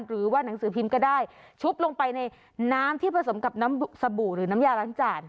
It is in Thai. หรือว่าหนังสือพิมพ์ก็ได้ชุบลงไปในน้ำที่ผสมกับน้ำสบู่หรือน้ำยาล้างจาน